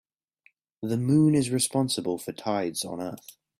The moon is responsible for tides on earth.